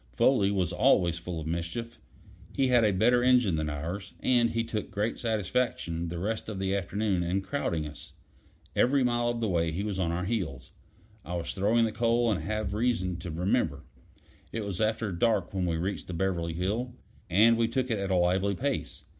Foley was always full of mischief. He had a better engine than ours, and he took great satisfaction the rest of the afternoon in crowding us. Every mile of the way he was on our heels. I was throwing the coal, and have reason to remember. It was after dark when we reached the Beverly Hill, and we took it at a lively pace.